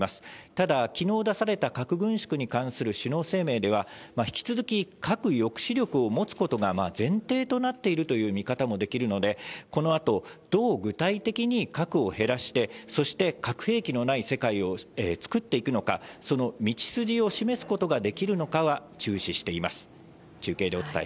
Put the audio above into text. ただ、きのう出された核軍縮に関する首脳声明では、引き続き核抑止力を持つことが前提となっているという見方もできるので、このあと、どう具体的に核を減らして、そして核兵器のない世界を作っていくのか、その道筋を示すことができるのかは注視しています。